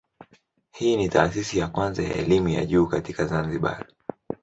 Hii ni taasisi ya kwanza ya elimu ya juu katika Zanzibar.